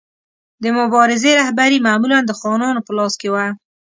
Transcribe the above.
د مبارزې رهبري معمولا د خانانو په لاس کې وه.